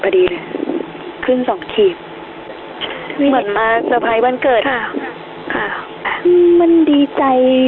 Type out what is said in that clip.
พอดีเลยขึ้นสองขีบเหมือนมาวันเกิดค่ะค่ะมันดีใจ